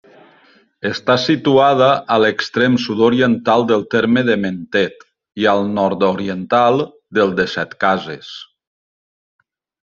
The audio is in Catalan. Està situada a l'extrem sud-oriental del terme de Mentet i al nord-oriental del de Setcases.